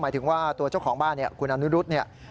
ถึงว่าตัวเจ้าของบ้านเนี่ยคุณอนุรุษเนี่ย